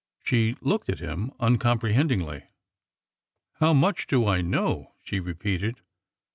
She looked at him uncomprehendingly. " How much do I know ?" she repeated.